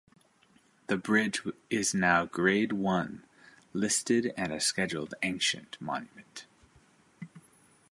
The bridge is now Grade One listed and a Scheduled Ancient Monument.